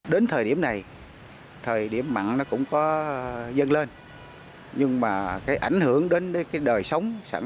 đến thời điểm này thời điểm mặn nó cũng có dâng lên nhưng mà cái ảnh hưởng đến cái đời sống sản xuất